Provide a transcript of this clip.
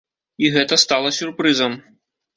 І гэта стала сюрпрызам.